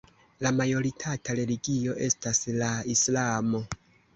La majoritata religio estas la islamo.